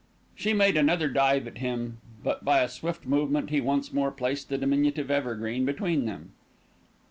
She made another dive at him; but, by a swift movement, he once more placed the diminutive evergreen between them.